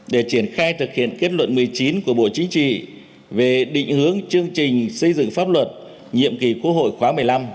để triển khai thực hiện kết luận một mươi chín của bộ chính trị về định hướng chương trình xây dựng pháp luật nhiệm kỳ quốc hội khóa một mươi năm